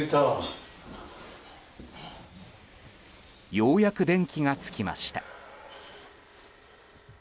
ようやく電気がつきました。